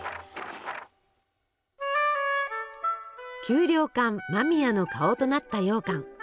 給糧艦間宮の顔となったようかん。